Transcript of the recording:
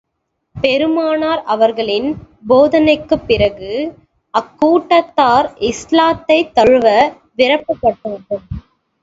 பெருமானார் அவர்களின் போதனைக்குப் பிறகு, அக்கூட்டத்தார் இஸ்லாத்தைத் தழுவ விருப்பப்பட்டார்கள்.